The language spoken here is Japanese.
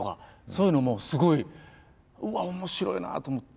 そういうのもすごいうわっ面白いなあと思って。